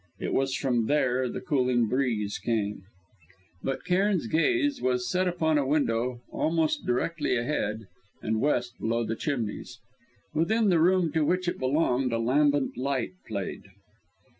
It was from there the cooling breeze came. But Cairn's gaze was set upon a window almost directly ahead, and west below the chimneys. Within the room to which it belonged a lambent light played.